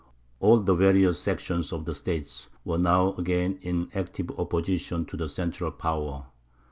All the various factions of the State were now again in active opposition to the central power.